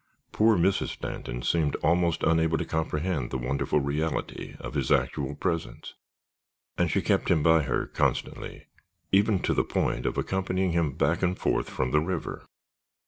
Poor Mrs. Stanton seemed almost unable to comprehend the wonderful reality of his actual presence and she kept him by her constantly, even to the point of accompanying him back and forth from the river.